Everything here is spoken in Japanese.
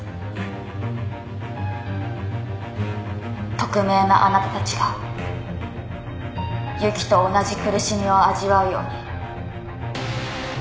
「匿名のあなたたちがＹＵＫＩと同じ苦しみを味わうように」